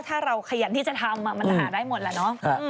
ถ้าเราขยันที่จะทำมันหาได้หมดแล้วเนาะ